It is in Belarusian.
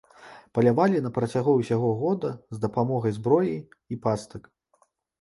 Палявалі на працягу ўсяго года з дапамогай зброі і пастак.